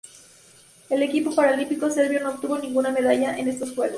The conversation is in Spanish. El equipo paralímpico serbio no obtuvo ninguna medalla en estos Juegos.